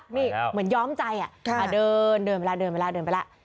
เหมือนย้อมใจอ่ะเดินไปล่ะเดินไปล่ะ